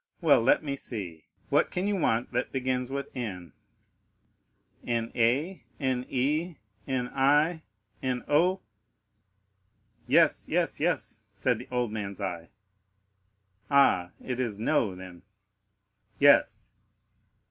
Well, let me see, what can you want that begins with N? Na—Ne—Ni—No——" "Yes, yes, yes," said the old man's eye. "Ah, it is No, then?" "Yes."